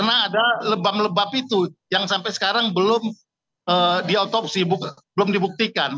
karena ada lebam lebab itu yang sampai sekarang belum diotopsi belum dibuktikan